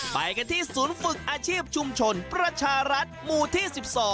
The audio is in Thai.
ไปกันที่ศูนย์ฝึกอาชีพชุมชนประชารัฐหมู่ที่๑๒